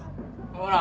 ほら。